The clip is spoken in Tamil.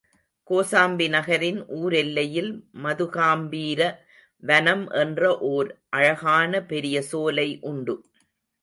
கோசாம்பி நகரின் ஊரெல்லையில் மதுகாம்பீர வனம் என்ற ஒர் அழகான பெரிய சோலை உண்டு.